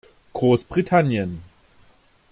Großbritannien!